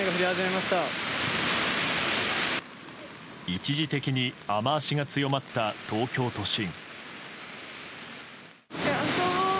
一時的に雨脚が強まった東京都心。